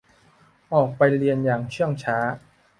ออกไปเรียนอย่างเชื่องช้า